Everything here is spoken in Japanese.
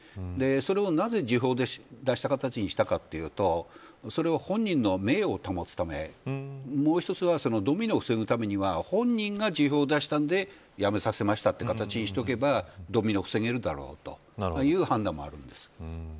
それをなぜ辞表で出した形にしたかというとそれは、本人の名誉を保つためもう一つはドミノを防ぐためには本人が辞表を出したんで辞めさせましたという形にしておけばドミノを防げるだろうという判断もあるんです。